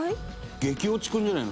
激落ちくんじゃないの？